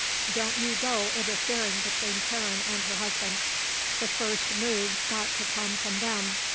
Don't you go interfering between Karen and her husband. The first move's got to come from them.